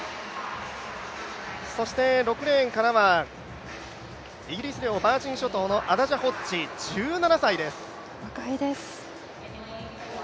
６レーンからはイギリス領バージン諸島のアダジャ・ホッジ若いです。